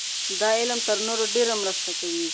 دا علم تر نورو ډېره مرسته کوي.